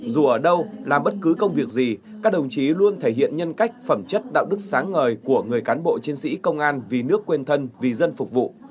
dù ở đâu làm bất cứ công việc gì các đồng chí luôn thể hiện nhân cách phẩm chất đạo đức sáng ngời của người cán bộ chiến sĩ công an vì nước quên thân vì dân phục vụ